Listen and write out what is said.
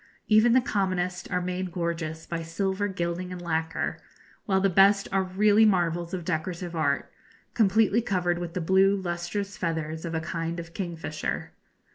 Even the commonest are made gorgeous by silver gilding and lacquer, while the best are really marvels of decorative art, completely covered with the blue lustrous feathers of a kind of kingfisher.